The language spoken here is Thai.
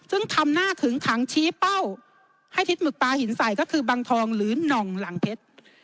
ซึ่งทำหน้าขึงขังชี้เป้าให้ทิศหมึกปลาหินใส่ก็คือบังทองหรือหน่องหลังเพชร